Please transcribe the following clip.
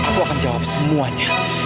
aku akan jawab semuanya